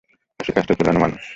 ফাঁসিকাষ্ঠে ঝোলানো মানুষ।